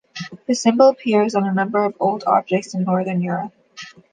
The symbol appears on a number of old objects in Northern Europe.